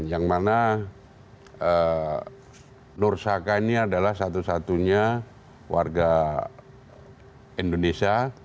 yang mana nur saka ini adalah satu satunya warga indonesia